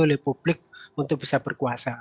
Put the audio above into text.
oleh publik untuk bisa berkuasa